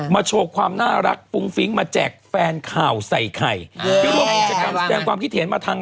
โชว์ความน่ารักฟุ้งฟิ้งมาแจกแฟนข่าวใส่ไข่ที่ร่วมกิจกรรมแสดงความคิดเห็นมาทาง